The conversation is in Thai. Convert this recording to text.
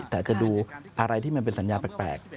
แต่จะดูอะไรที่มันเป็นสัญญาแปลก